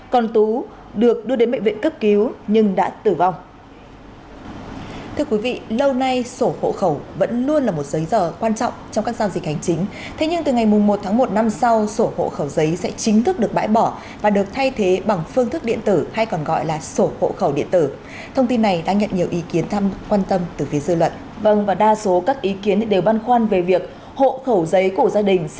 còn tú được đưa đến bệnh viện cấp cứu nhưng đã tử vong